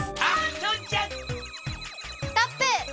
ストップ！